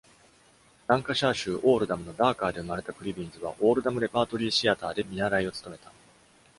ランカシャー州オールダムのダーカーで生まれたクリビンズは、オールダムレパートリーシアターで見習いを務めた。